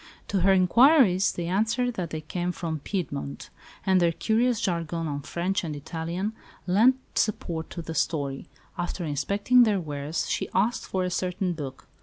To her inquiries they answered that they came from Piedmont; and their curious jargon of French and Italian lent support to the story. After inspecting their wares she asked for a certain book.